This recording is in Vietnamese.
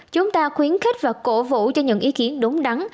chúng ta khuyến khích và cổ vũ cho những ý kiến đúng đắn